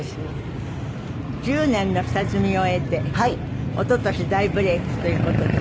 １０年の下積みを経て一昨年大ブレークという事ですけど。